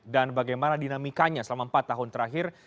dan bagaimana dinamikanya selama empat tahun terakhir